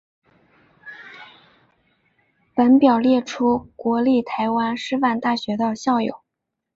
本表列出国立台湾师范大学的校友。